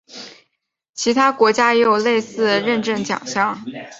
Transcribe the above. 其他国家也有类似认证奖项。